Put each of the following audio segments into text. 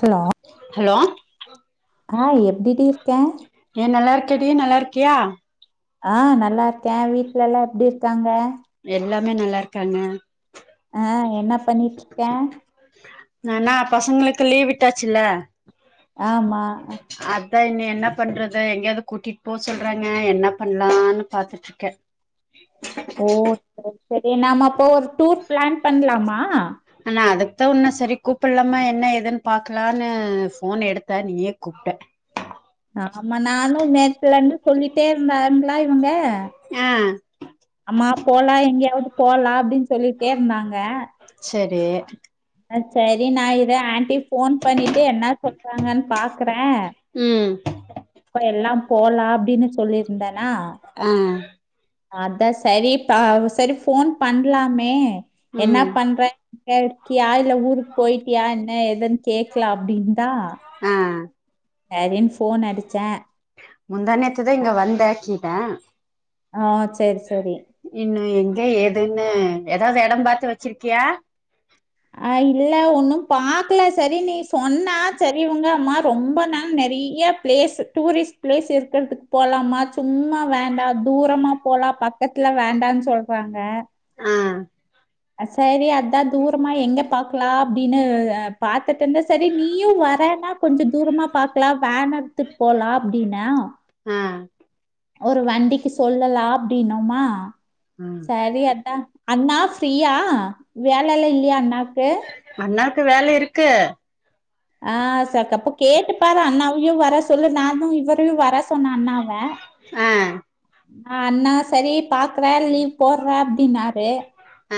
Hello hello ஆ எப்டி டி இருக்க ஏ நல்லா இருக்கேடி நல்லா இருக்கியா ஆ நல்லா இருக்கே வீட்ல எல்லா எப்டி இருக்காங்க எல்லாமே நல்லா இருக்காங்க ஆ என்ன பண்ணிட்ருக்க நா என்னா பசங்களுக்கு லீவ் விட்டாச்சுல்ல ஆமா அதா இன்னி என்னா பண்றது எங்கேயாவது கூட்டிட் போ சொல்றாங்க என்ன பண்லானு பாத்துட் ருக்கே ஓ செர் செரி நம்ம அப்போ ஒரு டூர் ப்ளான் பண்லாமா நா அதத்தா உன்ன செரி கூப்பல்லாம என்ன ஏதுன் பாக்லான்னு ஃபோன எடுத்தே நீயே கூப்ட ஆமா நானு நேத்துலெந்து சொல்லிட்டே இருந்தாங்ளா இவுங்க அ ஆ அம்மா போலா எங்கேயாவ்து போலா அப்டின் சொல்லிட்டே இருந்தாங்க செரி அ செரி நா இத ஆன்டி ஃபோன் பண்ணிட்டு என்ன சொல்றாங்கன் பாக்குறே ம் இப்ப எல்லாம் போலா அப்டினு சொல்லியிருந்தேனா அ அதா செரிப்ப செரி ஃபோன் பண்லாமே என்ன ம் பண்றாங் [unintelligible] கியா இல்ல ஊருக் போய்ட்டியா இன்னே ஏதுன் கேக்கலா அப்டின்ந்தா ஆ செரின் ஃபோன் அடிச்சே முந்தாநேத்துதா இங்க வந்தே கீட்டே ஆ செரி செரி இன்னு எங்க எதுன்னு எதாது எடம் பாத்து வெச்சிருக்கியா அ இல்ல ஒன்னு பாக்கல செரி நீ சொன்னா செரி உங்க அம்மா ரொம்ப நாள் நெறிய ப்ளேஸு டூரிஸ்ட் ப்ளேஸ் இருக்கிறதுக் போலாமா சும்மா வேண்டா தூரமா போலா ப க்கத்துல வேண்டான் சொல்றாங்க ஆ செரி அதா தூரமா எங்க பாக்கலா அப்டினு அ பாத்துட் வந்து செரி நீயு வரன்னா கொஞ்ச தூரமா பாக்கலா வேன் எடுத்துட் போலா அப்டின்னா ஆ ஒரு வண்டிக்கு சொல்லலா அப்டின்னொமா ம் சரி அதா அண்ணா யா வேலெல்லா இல்லியா அண்ணாக்கு அண்ணாக்கு வேல இருக்கு ஆ செக்கப்போ கேட்டுப்பாரு அண்ணாவியு வர சொல்லு நானு இவரையு வர சொன்ன அண்ணாவ ஆ ஆ அண்ணா சரி பாக்குற லீவ் போற்ற அப்டின்னாரு ஆ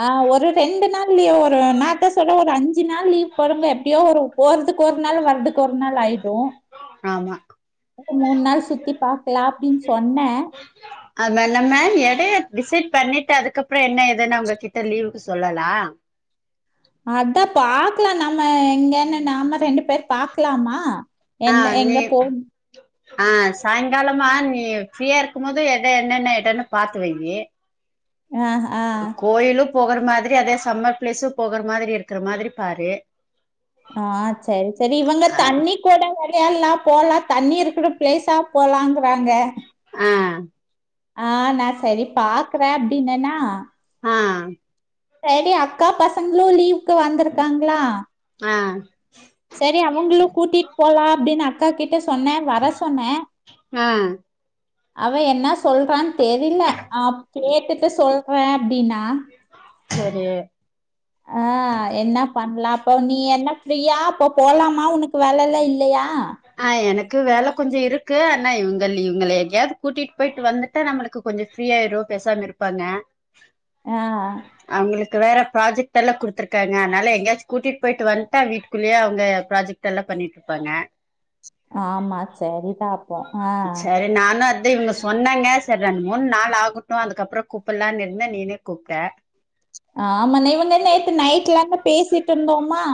ஆ ஒரு ரெண்டு நாள் லீவ் ஒரு நா அத்தா சொல்ற ஒரு அஞ்சு நாள் லீவ் போடுங்க எப்டியோ ஒரு போறதுக் ஒரு நாள் வர்றதுக் ஒரு நாள் ஆயிடு ஆமா மூண் நாள் சுத்தி பாக்கலா அப்டின் சொன்ன அது ந நம்ம எடைய டிசைட் பண்ணிட்டு அதுக்கப்புற என்ன ஏதுன்னு அவுங்ககிட்ட லீவுக்கு சொல்லலா அதா பாக்கலா நம்ம எங்கன்னு நாம ரெண்டு பேரு பாக்கலாமா ஆ என்ன நீ எங்க போன் ஆ சாயங்காலமா நீ ஃப்ரீயா இருக்கும் போது எத என்னென்ன எடன்னு பாத்து வெய்யு ஆ ஆ கோயிலு போகற மாதிரி அதே சம்மர் ப்ளேசு போகற மாதிரி இருக்கிற மாதிரி பாரு ஆ சரி சரி இவங்க ஆ தண்ணி கூட வரியா எல்லா போலா தண்ணி இருக்கிற ப்ளேஸா போலாங்கிறாங்க ஆ ஆ நா செரி பாக்குற அப்டின்னனா ஆ செரி அக்கா பசங்ளு லீவுக்கு வந்திருக்காங்களா அ செரி அவங்களு கூட்டிட்டு போலா அப்டின்னு அக்கா கிட்ட சொன்னே வர சொன்னே ஆ அவ என்ன சொல்றான் தெரில ஆ கேட்டுட்டு சொல்றே அப்டின்னா செரி ஆ அ என்ன பண்ணலா அப்ப நீ என்ன ஃப்ரீயா அப்ப போலாமா உனக்கு வேலைல்லா இல்லையா ஆ எனக்கு வேல கொஞ்ச இருக்கு ஆனா இவங்க இவங்கள எங்கயாவது கூட்டிட்டு போயிட்டு வந்து ட்டா நம்மளுக்கு கொஞ்ச ஃப்ரீயாயிரு பேசாம இருப்பாங்க ஆ அவங்களுக்கு வேற ப்ராஜெக்ட் எல்லா குடுத்துருக்காங்க அதுனால எங்கயாச்சு கூட்டிட்டு போயிட்டு வந்ட்டா வீட்டுக்குள்ளயே அவங்க ப்ராஜெக்ட் டெல்லா பண்ணிட்டு இருப்பாங்க ஆமா சரிதா இப்போ ஆ சரி நானு அத்தா இவங்க சொன்னாங்க சரி ரெண் மூணு நாள் ஆகட்டு அதுக்கப்புற கூப்பிடலானு இருந்த நீனே கூப்பிட்ட ஆமா நே இவங்க நேத்து நைட்லேருந்து பேசிட்டு இருந்தோமா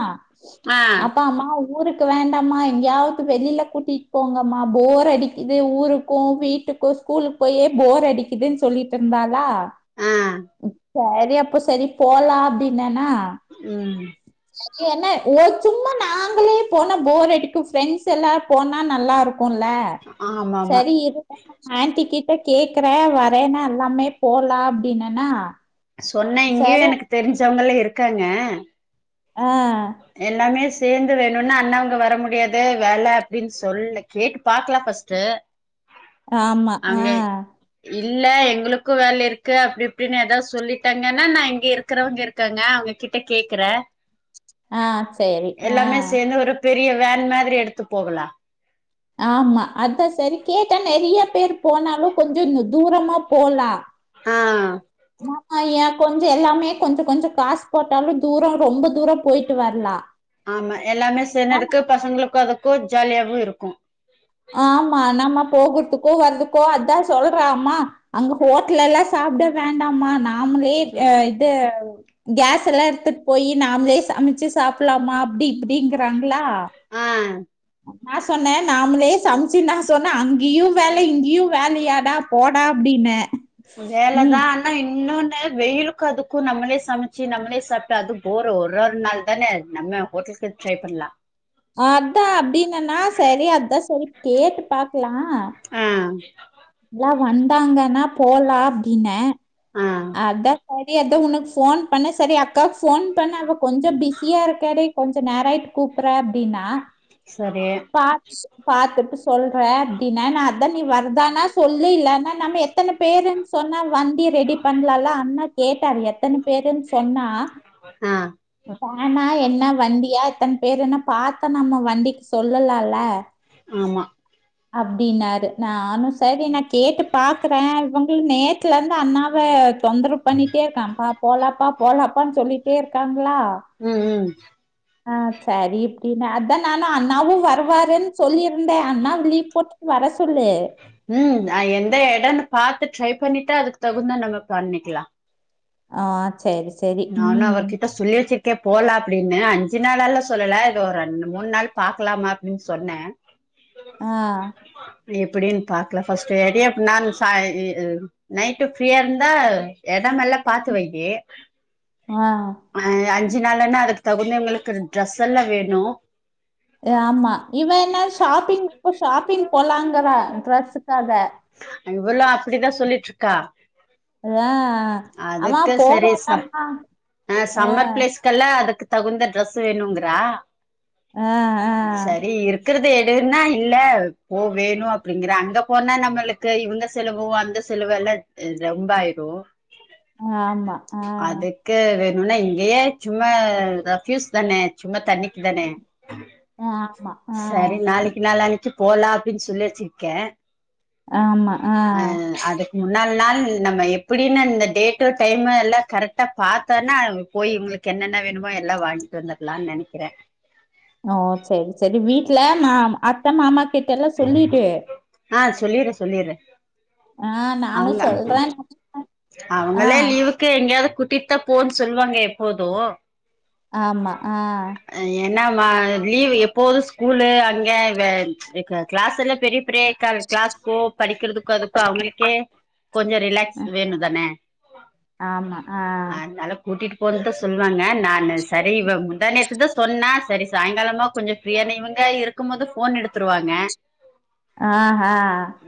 ஆ அப்பா அம்மாவு ஊருக்கு வேண்டாமா எங்கையாவது வெளியில கூட்டிட்டு போங்கம்மா போர் அடிக்குது ஊருக்கு வீட்டு க்கு ஸ்கூலுக்கு போயே போர் அடிக்குதுன்னு சொல்லிட்டு இருந்தாளா ஆ சரி அப்ப சரி போலா அப்டின்னனா ம் ஏன்ன ஒரு சும்மா நாங்களே போனா போர் அடிக்கு ஃப்ரெண்ட்ஸ் எல்லார் போனா நல்லா இருக் குல்லே ஆமா ஆமா சரி இரு ஆன்ட்டி கிட்ட கேக்குறே வரேன்னா எல்லாமே போலா அப்டினன்னா சொன்ன இங்கேயு எனக்கு தெரிஞ்சவங்கல்ல இருக்காங்க ஆ எல்லாமே சேந்து வேணுனா அண்ண இங்க வர முடியாது வேல அப்டின்னு சொல் கேட்டு பாக்கலா ஃபஸ் ட்டு ஆமா ஆ இல்ல எங்களுக்கு வேல இருக்கு அப்டி இப்டின்னு ஏதா சொல்லிட்டாங்கன்னா நா இங்க இருக்கிறவங்க இருக் காங்க அவங்ககிட்ட கேக்கறே ஆ செரி ஆ சேந்து ஒரு பெரிய வேன் மாதிரி எடுத்து போகலா ஆமா அத செரி கேட்டே நெறைய பேர் போனாலு கொஞ்சோ தூரமா போலா ஆ மா ஆ ஏ கொஞ்சோ எல்லாமே கொஞ்ச கொஞ்சோ காசு போட்டாலு தூரோ ரொம்ப தூரோ போயிட்டு வரலா ஆமா எல்லாமே சேனதுக்கு பசங்களுக்கு அதுக்கு ஜாலியாவு இருக்கு ஆமா நம்ம போகறதுக்கோ வரதுக்கோ அதா சொல்றமா அங்க ஹோட்டல் எல்லா சாப்ட வேண்டாமா நாம்ளே அய் வந்து கேஸ் எல்லா எடுத்துட்டு போய் நாம் ளே சமைச்சு சாப்லாமா அப்டி ங்கிறாங்களா ஆ நா சொன்னே நாம்ளே சம்ச்சி நா சொன்னே அங்கயு வேல இங்கயு வேலையாடா போடா அப்டினே வேலதா அந் ஆனா இன்னொன்னு வெயிலுக்கு அதுக்கு நம்மளே சமைச்சு நம்மளே சாப்ட்டு அது போரு ஒரு ஒரு நாள் தான நம்ம ஹோட்டல் கீது ட்ரை பண்ணலா அதா அப்டின்னன்னா சரி அதா சரி கேட்டு பாக்கலா ஆ எல்லா வந்தாங்கன்னா போலா அப்டின்னே ஆ அதா சேரி அதா உனக்கு ஃபோன் பண்ணே சேரி அக்காவுக்கு ஃபோன் பண்ணா அவ கொஞ்சோ பிஸியா இருக்காலே கொஞ்சோ நேராயிட்டு கூப்ட்றே அப்டின்னா செரி பாத் பாத்துட்டு சொல்றே அப்டின்னா நா அதா நீ வருதானா சொல்லு இல்லனா நம்ம எத் எத்தன பேருனு சொன்னா வண்டிய ரெடி பண்லால அண்ணா கேட்டாரு எத்தன பேருன்னு சொன்னா ஆ வேனா என்ன வண்டியா எத்தன பேருன்னு பாத்தா நம்ம வண்டிக்கு சொல்லலால ஆமா அப்டின்னாரு நானு சேரி நா கேட்டு பாக்குறே இவங்களு நேத் ல இருந்து அண்ணாவ தொந்தரவு பண்ணிட்டே இருக்கா போலாப்பா போலாப்பான்னு சொல்லி டே இருக்காங்களா ம் ம் ஆ செரி இப்டின்னு அதா நானு அண்ணாவு வருவாருன்னு சொல்லிருந்தே அண்ணா லீவ் போட்டு வர சொல்லு ம் அது எந்த எடன்னு பாத்து ட்ரை பண்ணிட்டா அதுக்கு தகுந்தா நம்ம பண்ணிக்கலா ஆ சேரி சேரி நானு அவர் கிட்ட சொல்லி வெச்சிருக்கே போலா அப்டின்னு அஞ்சு நாளால்லா சொல்லல இது ஒரு ரெண்டு மூணு நாள் பாக்கலாமா அப்டின்னு சொன்னே ஆ எப்டின்னு பாக்லா ஃபஸ்ட்டு [unintelligible] நைட்டு ஃப்ரீயா இருந்தா எடமெல்லா பாத்து வையி ஆ ஆ அஞ்சு நாளன்னா அதுக்கு தகுந்தவுங்களுக்கு டிரெஸ் எல்லா வேணு ஆமா இவ என்ன ஷாப்பிங்க்கு ஷாப்பிங் போலாங்கறா டிரெஸ்சுக்காக இவளு அப்பிடிதா சொல்லிட்டு இருக்கா அதா அவா அதுக்கு போறா சரி எடமெல்லா ஆ கெல்ல அதுக்கு தகுந்த டிரெஸ் வேணுங்றா ஆ, ஆ. செரி இரு க்கிறது எடுன்னா இல்ல போ வேணு அப்டிங்ற அங்க போனா நம்மளுக்கு இவுங்க செலவோ அந்த செலவு எல்லா ரொம்ப ஆயிரு ஆ ஆமா ஆ. அதுக் க்கு வேணுனா இங்கயே சும்மா ரப் யூஸ் தானே சும்மா தண்ணிக்கு தானே ஆ ஆமா ஆ செரி நாளிக்கி நாளானிக்கி போலா அப்டின்னு சொல்லி வெச்சிருக்கே ஆ அதுக்கு முன்னால் நாள் நம்ம எப் அப்டின்னு இந்த டேட்டு டைமு எல்லா கரெக்டாக பாத்தோன்னா போய் இவுங்ளுக்கு என்னென்ன வேணுமோ எல்லா வாங்கிட்டு வந்த லானு நெனக்கிறே ஓ செரி செரி வீட்ல நாம் அத்த மாமா கிட்ட எல்லா சொல்லிட்டு ஆ சொல்லிற சொல்லிற ஆ நானு அவங்க சொல்றே ஆ அவுங்களே லீவு க்கு எங்கயாவது கூட்டிடுத்தா போனு சொல்லுவாங்க எப்போது ஆமா ஆ என்னமா லீவ் எப்போது ஸ்கூலு அங்கே க கிளாஸ் எல்லா பெரிய பெரிய கிளாஸ்கோ படிக்கிறதுக்கோ அதுக்கோ அவுங்களு கே கொஞ்சோ ரிலாக்ஸ் அ வேணு தான ஆமா ஆ அதுனால கூட்டிட்டு போனுதா சொல்லுவாங்க நானு செரி இவ முந்தானேத்து தா சொன்னா செரி சாய்ங்காலமா கொஞ்சோ ஃபிரியானு இவுங்க இருக்கும் போது ஃபோன் எடுத்துருவாங்க ஆ ஹ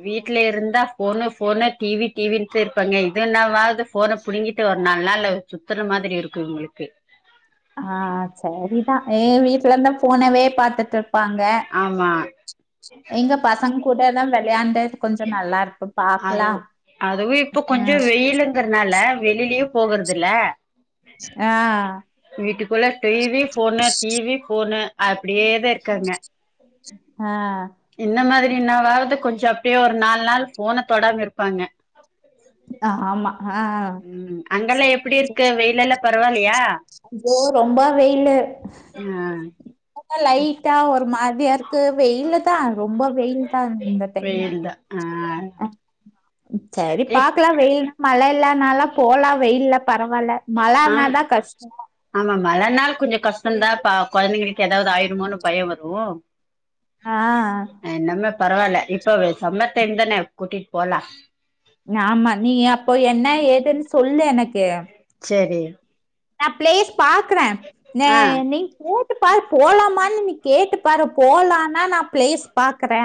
வீட்ல இருந்தா ஃபோனு ஃபோ ஃபோனு டி வி டி வின்ட்டு இருப்பாங்க இதுனாவாது ஃபோன புடுங்கிட்டு ஒரு நால் நாளு சுத்தற மாதிரி இருக்கு இவுங்களுக்கு ஆ செரிதா எ வீட்ல இருந்தா ஃபோனவே பாத்துட்ருப்பாங்க ஆமா எங்க பசங்க கூடதா விளையாண்டு கொஞ்சோ நல்லாருக்கு அது பாக்கலா அதுவு இப்ப கொஞ்சோ ம் வெயிலுங்கறனால வெளிலயு போகறதுல ஆ வீட்டுக்குள்ள T V phone T V phone அப்டியே தா இருக்காங்க ஆ இந்த மாதிரினாவது கொஞ்சோ அப்டியே ஒரு நால் நாள் ஃபோன தொடாம இருப்பாங்க ஆமா ஆ ஆ ம் அங்கல்லா எப்டி இருக்கு வெயிலல்லா பரவால்லயா போ ரொம்ப வெயிலு ஆ அப்பப்ப லைட்டா ஒரு மாதியா இருக்கு வெயிலு தா ரொம்ப வெயில் தா இந்த டைமு வெயில்தா ஆ செரி ஏ பாக்கலா வெயில் மழ இல்லனால போலா வெயில்ல பரவால்ல ஆம் மழனாதா கஷ்டோ ஆமா மழ நாள் கொஞ்சோ கஷ்டோதா பா கொழந்தைங்களுக்கு ஏதாது ஆயிருமோனு பயோ வரு ஆ இன்னமே பரவால்ல இப்ப வ சம்மர் டைம் தான கூட்டிட் போலா ஆமா நீ அப்போ என்ன ஏதுன் சொல்லு எனக்கு சேரி நா பிளேஸ் பாக்குறே ந ஆ நீ கூட்டுப்பாரு போலாமானு நீ கேட்டுப்பாரு போலான்னா நா பிளேஸ் பாக்குறே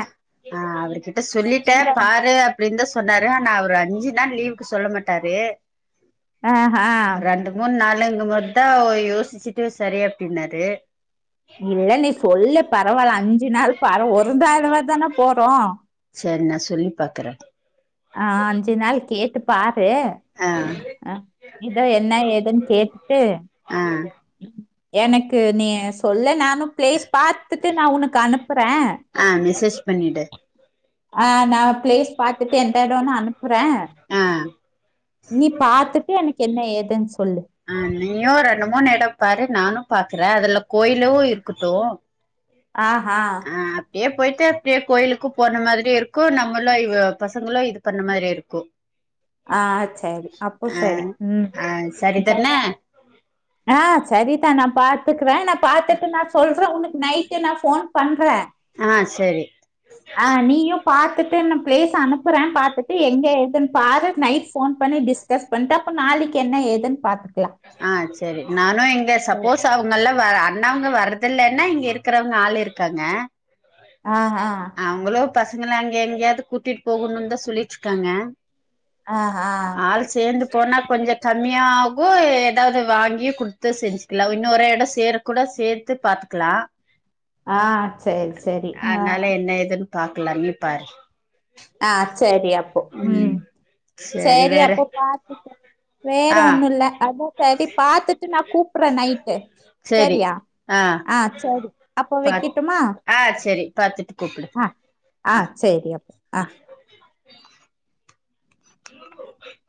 ஆ அவருகிட்ட சொல்லிட்டே எங்க பாரு அப்டின்தா சொன்னாரு ஆனா அவரு அஞ்சு நாள் லீவுக்கு சொல்ல மாட்டாரு ஆ ஹ ரெண்டு மூணு நாளுங்குமோது தா ஒ யோஸ்சுட்டு சரி அப்டின்னாரு ஏ நீ சொல்லு பரவால்ல அஞ்சு நாள் பாரு ஒருதாள்தடவ தான போறோ சேர் நா சொல்லி பாக்குறே ஆ அஞ்சு நாள் கேட்டு பாரு ஆ ஆ இத என்ன ஏதுன் கேட்டு ஆ எனக்கு நீ சொல்லு நானு ஃபிளேஸ் பாத்துட்டு நா உனக்கு அனுப் ஆ மெசேஜ் பண்ணிடு ஆ நா ஃபிளேஸ் பாத்துட்டு எந்த எடோன்னு அனுப்புறே ஆ நீ பாத்துட்டு எனக்கு என்ன ஏதுன் சொல்லு அ நீயு ரெண்டு மூணு எடம் பாரு நானு பாக்குறே அதுல கோயிலு இருக்கட்டு ஆ ஹ ஆ அப்டியே போய்ட்டு அப்டியே கோயிலுக்கு போன மாதிரியு இருக்கு நம்மளு இ பசங்களு இது பண்ண மாரி இருக்கு ஆ செரி அப்போ ஆ செரி ம் ஆ சரி தான செர்றா ஆ சரிதா நா பாத்துக்கிறே நா பாத்துட்டு நா சொல்றே உனக்கு நைட்டு நா ஃபோன் பண்றே அ செரி அ நீயு பாத்துட்டு நா பிளேஸ அனுப்புறே பாத்துட்டு எங்க எதுன்ன பாரு நைட் ஃபோன் பண்ணி டிஸ்கஸ் பண்ட்டு அப்ப நாளைக்கி என்ன ஏதுன் பாத்துக்லா ஆ செரி நானு இங்க சப்போஸ் அ இவ்ங்கல்லா வ அண்ணாவ்ங்க வரறதில்லைன்னா இங்க இருக்கிறவங்க ஆள் இருக்காங்க ஆ ஆ அவுங்களு பசங்களு அங்க எங்கயாவ்து கூட்டிட்டு போகணுன் தா சொல்லிட்ருக்காங்க ஆ ஆ ஆள் சேந்து போனா கொஞ்ச கம்மியாகு எதாவ்து வாங்கி குடுத்து செஞ்சிக்கலா இன்னொரு எடோ சேர் கூட சேத்து பாத்துக்கலா ஆ செரி செரி ஆ அதனால என்ன ஏதுன் பாக்கல நீ பாரு ஆ செரி அப்போ ம் சரி செரி வேற அப்போ பாத்துக்க வேற ஆ ஒண்ணுல்ல அத சரி பாத்துட்டு நா கூப்பற நைட்டு சரி செரியா ஆ செரி அப்போ பாத் வெக்கட்டுமா ஆ சரி பாத்துட்டு ஆ ஆ செரி அப்போ ஆ அ [inaudible]